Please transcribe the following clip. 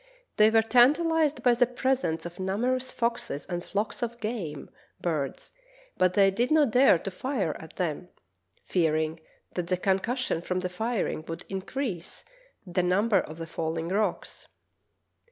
They were tantalized by the presence of numerous foxes and flocks of game birds, but they did not dare to fire at them, fearing that the concussion from the firing would increase the num ber of the falling rocks.